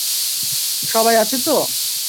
সবাই আছে তো?